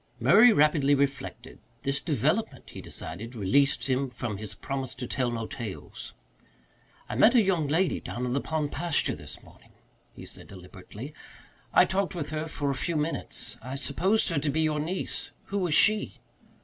Murray rapidly reflected. This development, he decided, released him from his promise to tell no tales. "I met a young lady down in the pond pasture this morning," he said deliberately. "I talked with her for a few minutes. I supposed her to be your niece. Who was she?"